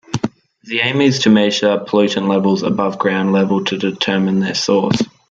The aim is to measure pollutant levels above ground level to determine their source.